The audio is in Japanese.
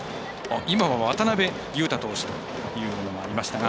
今は渡邉雄大投手というのがありましたが。